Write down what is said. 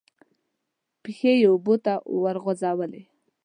پښې یې اوبو ته ورغځولې.